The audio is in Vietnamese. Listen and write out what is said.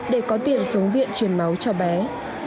để có tiền xuống viện truyền máu cho bé